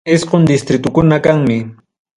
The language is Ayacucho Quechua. Isqun distritukuna kanmi.